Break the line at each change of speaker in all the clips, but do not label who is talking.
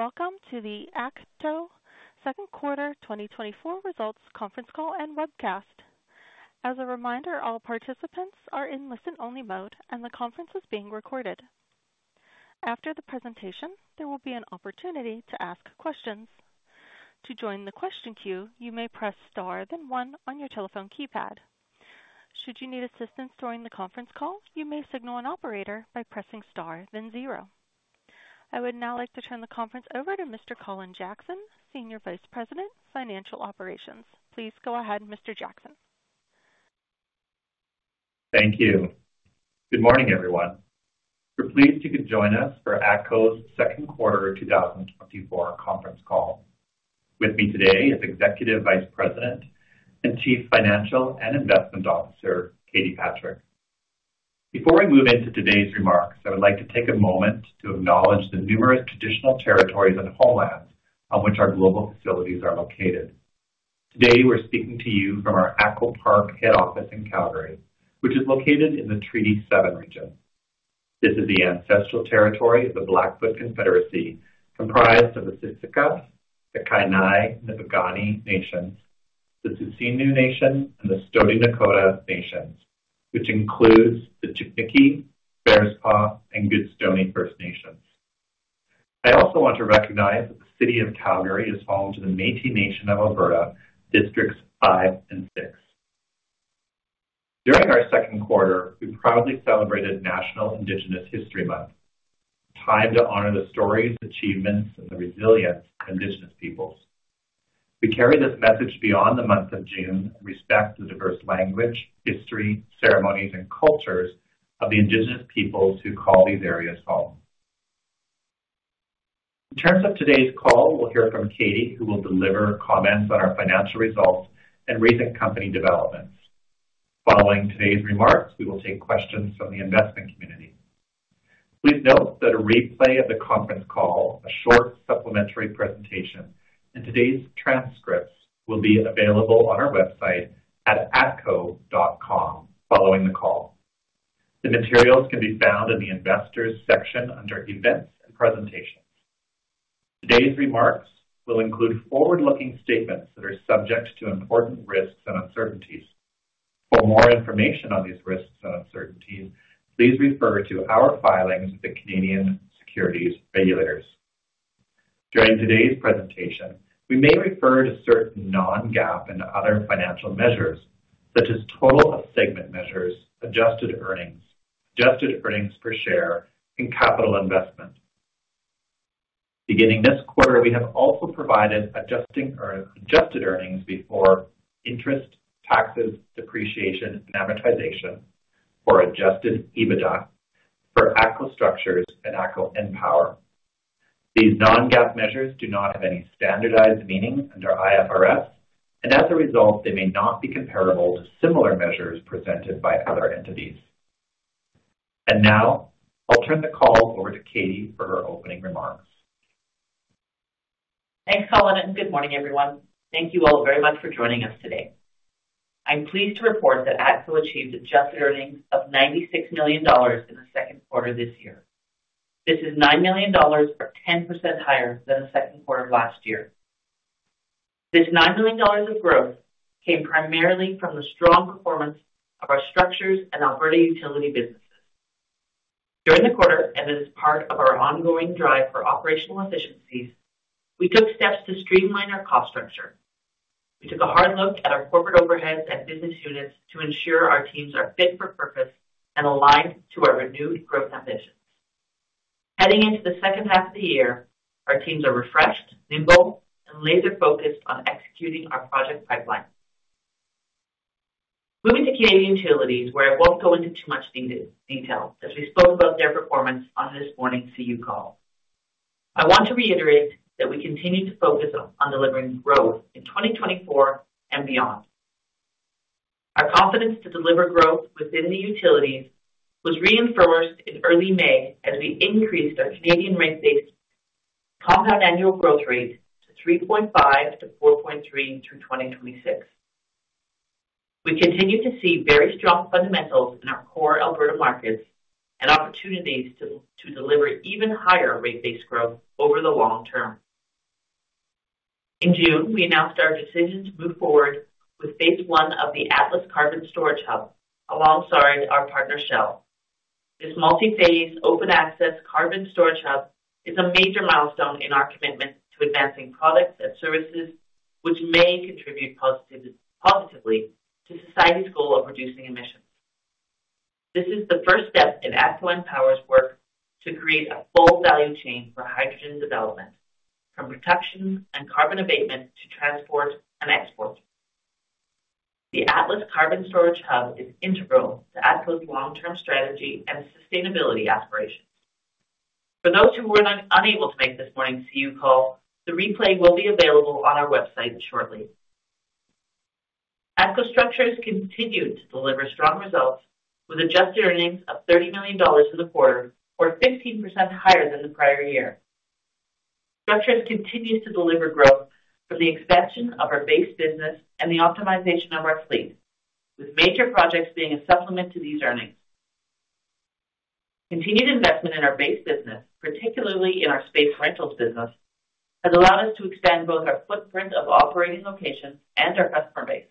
Welcome to the ATCO Second Quarter 2024 Results Conference Call and Webcast. As a reminder, all participants are in listen-only mode, and the conference is being recorded. After the presentation, there will be an opportunity to ask questions. To join the question queue, you may press Star, then one on your telephone keypad. Should you need assistance during the conference call, you may signal an operator by pressing Star, then zero. I would now like to turn the conference over to Mr. Colin Jackson, Senior Vice President, Financial Operations. Please go ahead, Mr. Jackson.
Thank you. Good morning, everyone. We're pleased you could join us for ATCO's Second Quarter 2024 conference call. With me today is Executive Vice President and Chief Financial and Investment Officer, Katie Patrick. Before I move into today's remarks, I would like to take a moment to acknowledge the numerous traditional territories and homelands on which our global facilities are located. Today, we're speaking to you from our ATCO Park head office in Calgary, which is located in the Treaty 7 region. This is the ancestral territory of the Blackfoot Confederacy, comprised of the Siksika, the Kainai, the Piikani Nation, the Tsuut'ina Nation, and the Stoney Nakoda Nations, which includes the Chiniki, Bearspaw, and Goodstoney First Nation. I also want to recognize that the City of Calgary is home to the Métis Nation of Alberta, Districts Five and Six. During our second quarter, we proudly celebrated National Indigenous History Month, a time to honor the stories, achievements, and the resilience of Indigenous peoples. We carry this message beyond the month of June, respect the diverse language, history, ceremonies, and cultures of the Indigenous peoples who call these areas home. In terms of today's call, we'll hear from Katie, who will deliver comments on our financial results and recent company developments. Following today's remarks, we will take questions from the investment community. Please note that a replay of the conference call, a short supplementary presentation, and today's transcripts will be available on our website at atco.com following the call. The materials can be found in the Investors section under Events and Presentations. Today's remarks will include forward-looking statements that are subject to important risks and uncertainties. For more information on these risks and uncertainties, please refer to our filings with the Canadian Securities Regulators. During today's presentation, we may refer to certain Non-GAAP and other financial measures, such as total of segment measures, Adjusted Earnings, adjusted earnings per share, and Capital Investment. Beginning this quarter, we have also provided adjusted earnings before interest, taxes, depreciation, and amortization, or Adjusted EBITDA, for ATCO Structures and ATCO EnPower. These Non-GAAP measures do not have any standardized meaning under IFRS, and as a result, they may not be comparable to similar measures presented by other entities. And now, I'll turn the call over to Katie for her opening remarks.
Thanks, Colin, and good morning, everyone. Thank you all very much for joining us today. I'm pleased to report that ATCO achieved adjusted earnings of 96 million dollars in the second quarter this year. This is 9 million dollars or 10% higher than the second quarter of last year. This 9 million dollars of growth came primarily from the strong performance of our structures and Alberta utility businesses. During the quarter, and as part of our ongoing drive for operational efficiencies, we took steps to streamline our cost structure. We took a hard look at our corporate overheads and business units to ensure our teams are fit for purpose and aligned to our renewed growth ambitions. Heading into the second half of the year, our teams are refreshed, nimble, and laser-focused on executing our project pipeline. Moving to Canadian Utilities, where I won't go into too much detail, as we spoke about their performance on this morning's CU call. I want to reiterate that we continue to focus on delivering growth in 2024 and beyond. Our confidence to deliver growth within the utilities was reinforced in early May as we increased our Canadian rate base compound annual growth rate to 3.5-4.3 through 2026. We continue to see very strong fundamentals in our core Alberta markets and opportunities to deliver even higher rate-based growth over the long term. In June, we announced our decision to move forward with phase one of the Atlas Carbon Storage Hub, alongside our partner, Shell. This multi-phase, open-access carbon storage hub is a major milestone in our commitment to advancing products and services, which may contribute positively to society's goal of reducing emissions. This is the first step in ATCO EnPower's work to create a full value chain for hydrogen development, from production and carbon abatement to transport and export. The Atlas Carbon Storage Hub is integral to ATCO's long-term strategy and sustainability aspirations. For those who were unable to make this morning's CU call, the replay will be available on our website shortly. ATCO Structures continued to deliver strong results with adjusted earnings of 30 million dollars for the quarter, or 15% higher than the prior year. Structures continues to deliver growth from the expansion of our base business and the optimization of our fleet, with major projects being a supplement to these earnings. Continued investment in our base business, particularly in our space rentals business, has allowed us to expand both our footprint of operating locations and our customer base.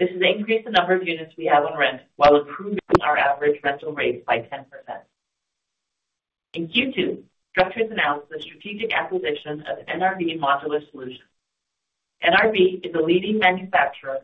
This has increased the number of units we have on rent while improving our average rental rate by 10%. In Q2, Structures announced the strategic acquisition of NRB Modular Solutions. NRB is a leading manufacturer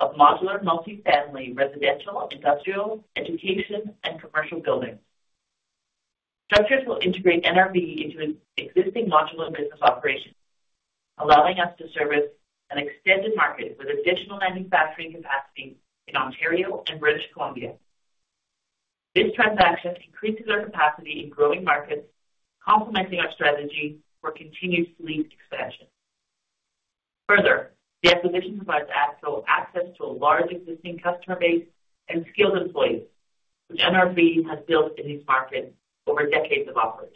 of modular, multifamily, residential, industrial, education, and commercial buildings. Structures will integrate NRB into its existing modular business operations, allowing us to service an extended market with additional manufacturing capacity in Ontario and British Columbia. This transaction increases our capacity in growing markets, complementing our strategy for continued fleet expansion. Further, the acquisition provides ATCO access to a large existing customer base and skilled employees, which NRB has built in these markets over decades of operation.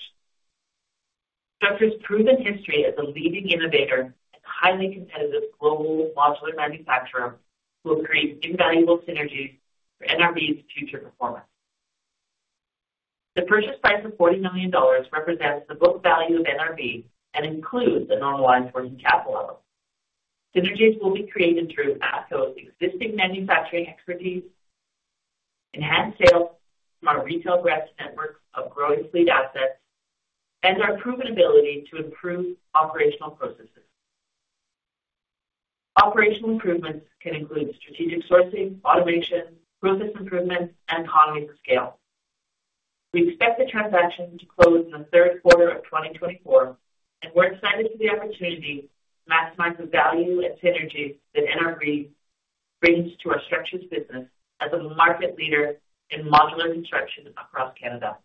Structures' proven history as a leading innovator and highly competitive global modular manufacturer will create invaluable synergies for NRB's future performance. The purchase price of 40 million dollars represents the book value of NRB and includes the normalized working capital. Synergies will be created through ATCO's existing manufacturing expertise, enhanced sales from our retail branch network of growing fleet assets, and our proven ability to improve operational processes. Operational improvements can include strategic sourcing, automation, process improvements, and economies of scale. We expect the transaction to close in the third quarter of 2024, and we're excited for the opportunity to maximize the value and synergies that NRB brings to our Structures business as a market leader in modular construction across Canada.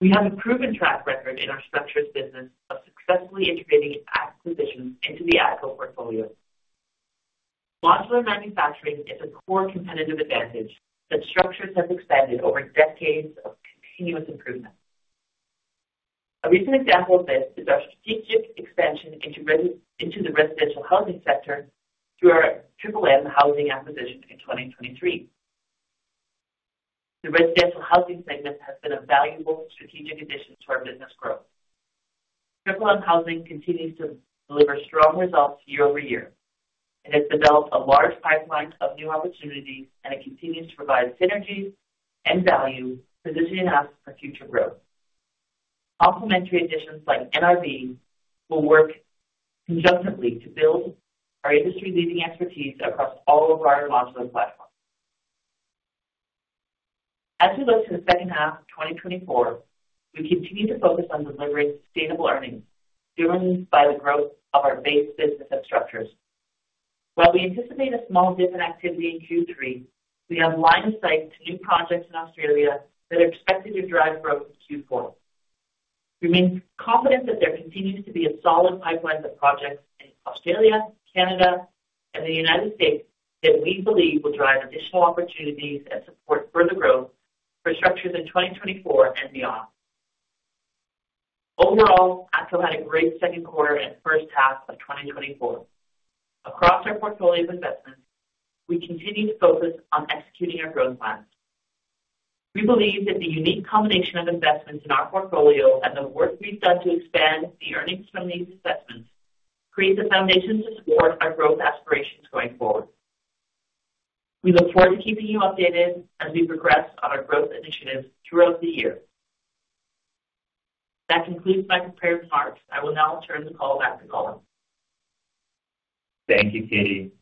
We have a proven track record in our Structures business of successfully integrating acquisitions into the ATCO portfolio. Modular manufacturing is a core competitive advantage that Structures has expanded over decades of continuous improvement. A recent example of this is our strategic expansion into the residential housing sector through our Triple M Housing acquisition in 2023. The residential housing segment has been a valuable strategic addition to our business growth. Triple M Housing continues to deliver strong results year over year, and has developed a large pipeline of new opportunities, and it continues to provide synergies and value, positioning us for future growth. Complementary additions like NRB will work conjunctly to build our industry-leading expertise across all of our modular platforms. As we look to the second half of 2024, we continue to focus on delivering sustainable earnings, driven by the growth of our base business at Structures. While we anticipate a small dip in activity in Q3, we have line of sight to new projects in Australia that are expected to drive growth in Q4. We remain confident that there continues to be a solid pipeline of projects in Australia, Canada, and the United States that we believe will drive additional opportunities and support further growth for Structures in 2024 and beyond. Overall, ATCO had a great second quarter and first half of 2024. Across our portfolio of investments, we continue to focus on executing our growth plans. We believe that the unique combination of investments in our portfolio and the work we've done to expand the earnings from these investments creates a foundation to support our growth aspirations going forward. We look forward to keeping you updated as we progress on our growth initiatives throughout the year. That concludes my prepared remarks. I will now turn the call back to Colin.
Thank you, Katie.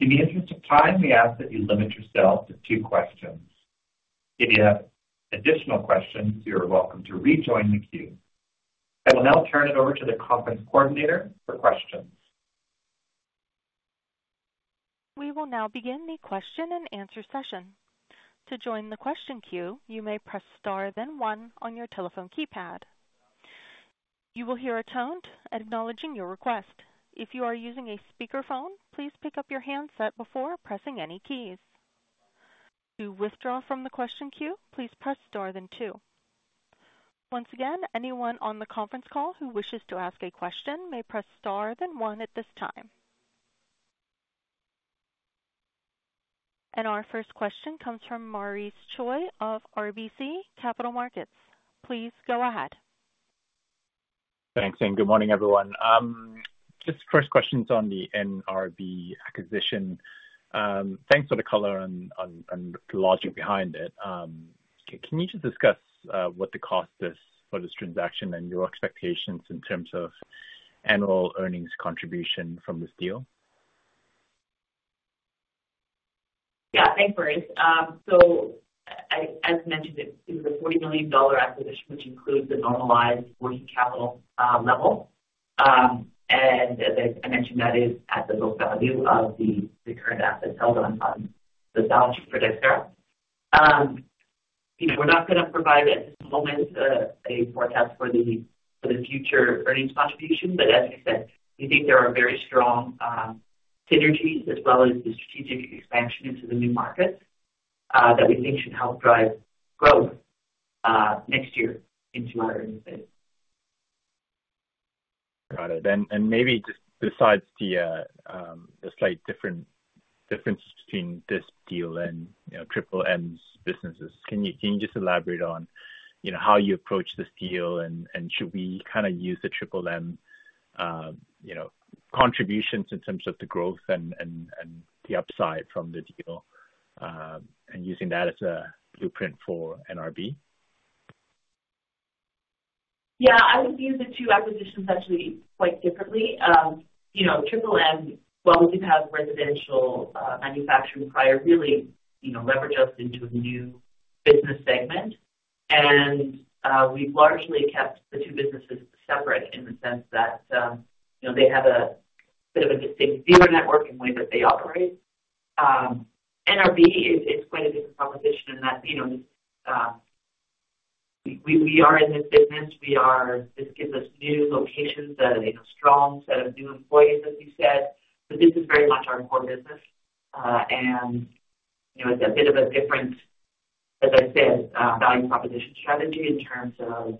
In the interest of time, we ask that you limit yourself to two questions. If you have additional questions, you are welcome to rejoin the queue. I will now turn it over to the conference coordinator for questions.
We will now begin the question-and-answer session. To join the question queue, you may press star then one on your telephone keypad. You will hear a tone acknowledging your request. If you are using a speakerphone, please pick up your handset before pressing any keys. To withdraw from the question queue, please press star then two. Once again, anyone on the conference call who wishes to ask a question may press star then one at this time. And our first question comes from Maurice Choy of RBC Capital Markets. Please go ahead.
Thanks, and good morning, everyone. Just first questions on the NRB acquisition. Thanks for the color on the logic behind it. Can you just discuss what the cost is for this transaction and your expectations in terms of annual earnings contribution from this deal?
Yeah, thanks, Maurice. So as mentioned, it was a 40 million dollar acquisition, which includes the normalized working capital level. And as I mentioned, that is at the book value of the current assets held on the balance sheet for Dexterra. You know, we're not going to provide at this moment a forecast for the future earnings contribution, but as we said, we think there are very strong synergies as well as the strategic expansion into the new markets that we think should help drive growth next year into our earnings base.
Got it. And maybe just besides the slight differences between this deal and, you know, Triple M's businesses, can you just elaborate on, you know, how you approach this deal? And should we kind of use the Triple M, you know, contributions in terms of the growth and the upside from the deal, and using that as a blueprint for NRB?
Yeah, I would view the two acquisitions actually quite differently. You know, Triple M, while we do have residential manufacturing prior, really you know leverage us into a new business segment. And we've largely kept the two businesses separate in the sense that you know they have a bit of a distinct dealer network in way that they operate. NRB is quite a different proposition in that you know we are in this business. This gives us new locations, a strong set of new employees, as you said, but this is very much our core business. And you know it's a bit of a different, as I said, value proposition strategy in terms of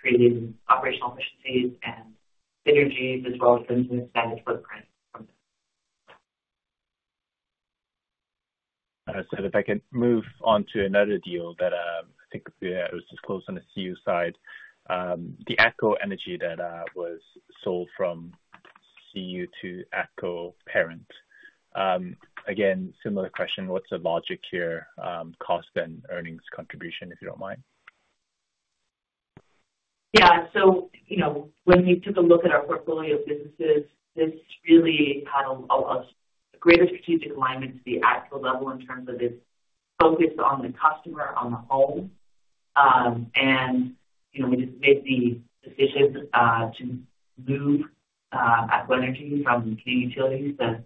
creating operational efficiencies and synergies as well as expand its footprint.
If I could move on to another deal that I think it was just closed on the CU side. The ATCO Energy that was sold from CU to ATCO parent. Again, similar question: What's the logic here, cost and earnings contribution, if you don't mind?
Yeah. So, you know, when we took a look at our portfolio of businesses, this really had a greater strategic alignment to the ATCO level in terms of its focus on the customer, on the home. And, you know, we just made the decision to move ATCO Energy from Canadian Utilities to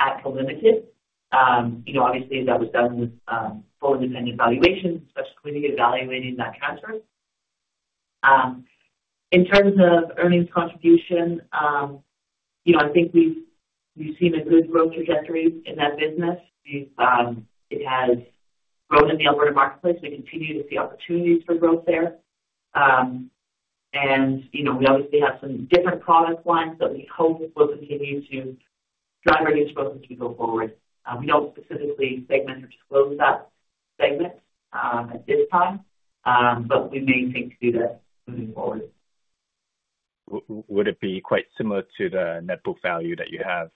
ATCO Ltd. You know, obviously, that was done with full independent valuations, especially evaluating that transfer. In terms of earnings contribution, you know, I think we've seen a good growth trajectory in that business. We've. It has grown in the Alberta marketplace. We continue to see opportunities for growth there. And, you know, we obviously have some different product lines that we hope will continue to drive our growth as we go forward. We don't specifically segment or disclose that segment, at this time, but we may think to do that moving forward.
Would it be quite similar to the net book value that you have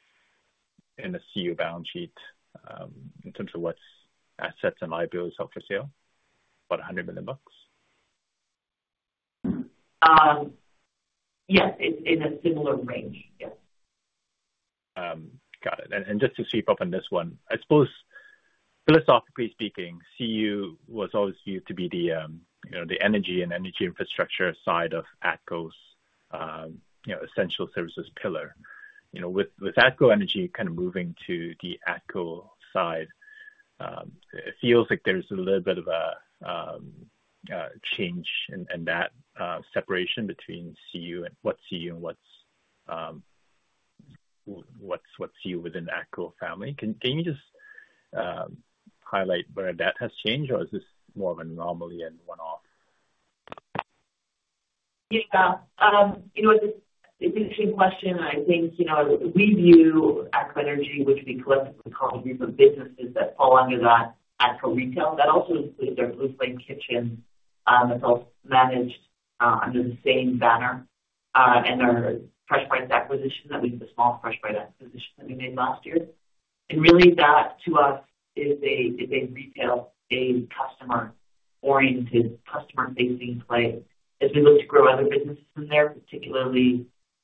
in the CU balance sheet, in terms of what's assets and liabilities up for sale, about 100 million bucks?
Yes, it's in a similar range. Yes.
Got it. And just to sweep up on this one, I suppose philosophically speaking, CU was always viewed to be the, you know, the energy and energy infrastructure side of ATCO's, you know, essential services pillar. You know, with ATCO Energy kind of moving to the ATCO side, it feels like there's a little bit of a change in that separation between CU and what's CU within the ATCO family. Can you just highlight where that has changed, or is this more of an anomaly and one-off?
Yeah. You know, it's an interesting question, and I think, you know, we view ATCO Energy, which we collectively call a group of businesses that fall under that ATCO Retail. That also includes our Blue Flame Kitchen, that's all managed under the same banner, and our Fresh Bites acquisition, that was a small Fresh Bites acquisition that we made last year. And really, that to us is a, is a retail, a customer-oriented, customer-facing play. As we look to grow other businesses in there,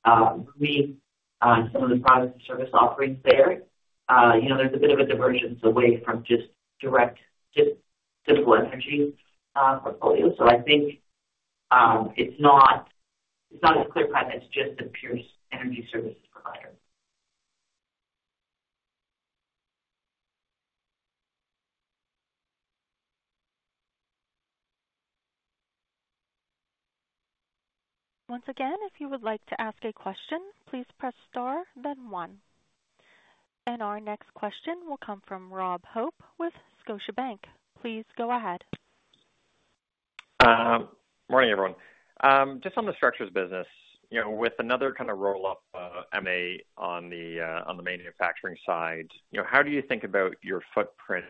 particularly, some of the products and service offerings there, you know, there's a bit of a divergence away from just direct, just physical energy portfolio. So I think, it's not, it's not as clear cut as just a pure energy services provider.
Once again, if you would like to ask a question, please press Star then one. Our next question will come from Rob Hope with Scotiabank. Please go ahead.
Morning, everyone. Just on the structures business, you know, with another kind of roll up, MA on the manufacturing side, you know, how do you think about your footprint,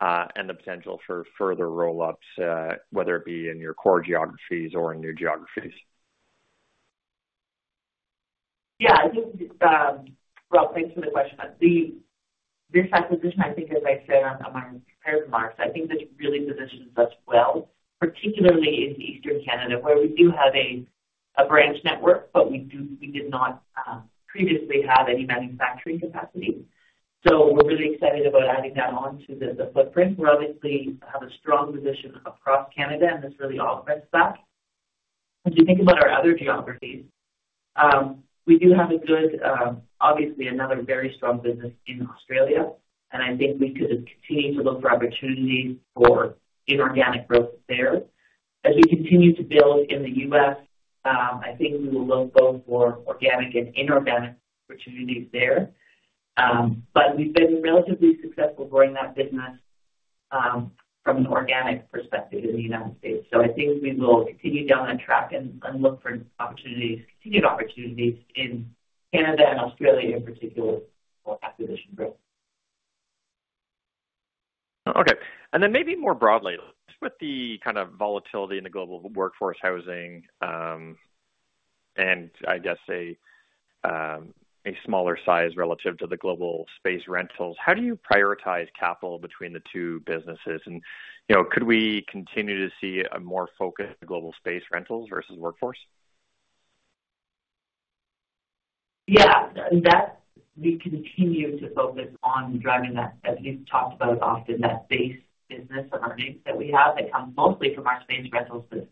and the potential for further roll-ups, whether it be in your core geographies or in new geographies?
Yeah, I think, Rob, thanks for the question. This acquisition, I think as I said on my prepared remarks, I think this really positions us well, particularly in Eastern Canada, where we do have a branch network, but we did not previously have any manufacturing capacity. So we're really excited about adding that on to the footprint. We obviously have a strong position across Canada, and this really augments that. As you think about our other geographies, we do have a good, obviously another very strong business in Australia, and I think we could continue to look for opportunities for inorganic growth there. As we continue to build in the U.S., I think we will look both for organic and inorganic opportunities there. But we've been relatively successful growing that business. From an organic perspective in the United States. So I think we will continue down that track and look for opportunities, continued opportunities in Canada and Australia, in particular, for acquisition growth.
Okay. And then maybe more broadly, with the kind of volatility in the global workforce housing, and I guess a smaller size relative to the global space rentals, how do you prioritize capital between the two businesses? And, you know, could we continue to see a more focused global space rentals versus workforce?
Yeah, that we continue to focus on driving that, as we've talked about often, that base business, the earnings that we have, that come mostly from our space rentals business,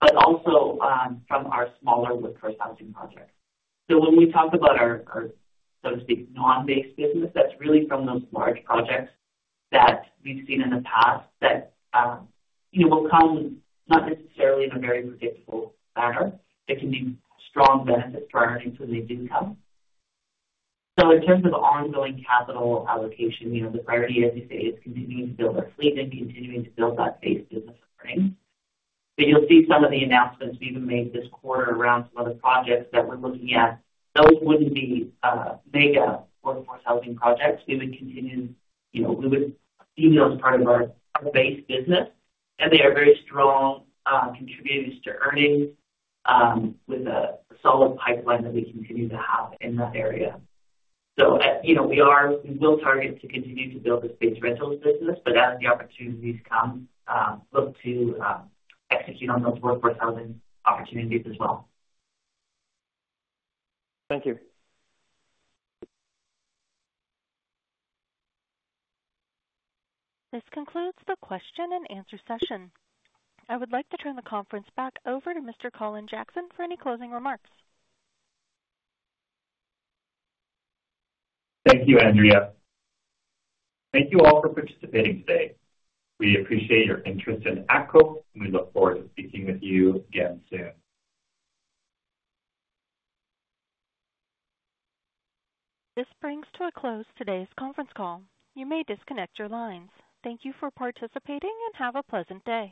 but also from our smaller workforce housing projects. So when we talk about our so to speak non-base business, that's really from those large projects that we've seen in the past that, you know, will come not necessarily in a very predictable manner. They can be strong benefits to our earnings when they do come. So in terms of ongoing capital allocation, you know, the priority, as you say, is continuing to build our fleet and continuing to build that base business earnings. But you'll see some of the announcements we even made this quarter around some other projects that we're looking at. Those wouldn't be mega workforce housing projects. We would continue, you know, we would view those as part of our, our base business, and they are very strong contributors to earnings, with a solid pipeline that we continue to have in that area. So, you know, we will target to continue to build the space rentals business, but as the opportunities come, look to execute on those workforce housing opportunities as well.
Thank you.
This concludes the question-and-answer session. I would like to turn the conference back over to Mr. Colin Jackson for any closing remarks.
Thank you, Andrea. Thank you all for participating today. We appreciate your interest in ATCO, and we look forward to speaking with you again soon.
This brings to a close today's conference call. You may disconnect your lines. Thank you for participating, and have a pleasant day.